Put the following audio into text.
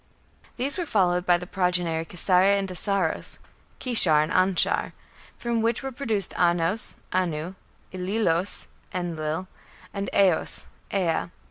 These were followed by the progeny Kissare and Assōros (Kishar and Anshar), "from which were produced Anos (Anu), Illillos (Enlil) and Aos (Ea).